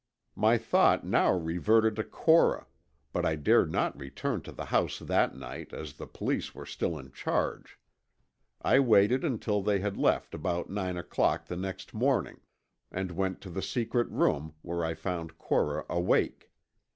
"My thought now reverted to Cora, but I dared not return to the house that night, as the police were still in charge. I waited until they had left about nine o'clock the next morning, and went to the secret room, where I found Cora awake.